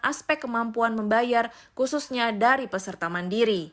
aspek kemampuan membayar khususnya dari peserta mandiri